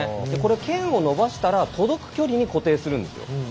剣を伸ばしたら届く距離に固定するんですよ。